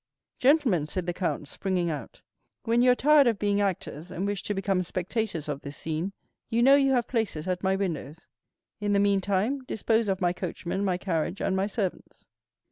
"Gentlemen," said the count, springing out, "when you are tired of being actors, and wish to become spectators of this scene, you know you have places at my windows. In the meantime, dispose of my coachman, my carriage, and my servants."